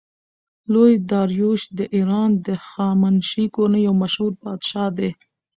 لوی داریوش د ایران د هخامنشي کورنۍ یو مشهور پادشاه دﺉ.